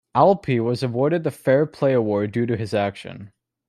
Alpay was awarded with a fair-play award due to his action.